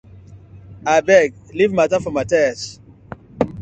Abeg leave mata for Mathi.